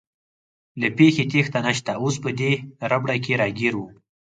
له پېښې تېښته نشته، اوس په دې ربړه کې راګیر ووم.